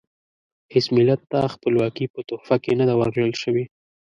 هیڅ ملت ته خپلواکي په تحفه کې نه ده ورکړل شوې.